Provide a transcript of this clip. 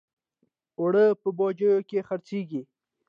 اوړه په بوجیو کې خرڅېږي